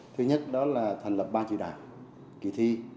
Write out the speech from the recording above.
thứ nhất đó là thành lập ba trị đạt kỳ thi